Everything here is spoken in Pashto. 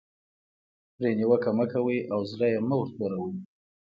پرې نیوکه مه کوئ او زړه یې مه ور توروئ.